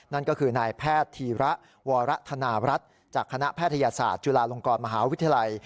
นั่นก็คือนายแพทย์ธีระวรธนารัฐจากคณะแพทยศาสตร์จุฬาลงกรมหาวิทยาลัย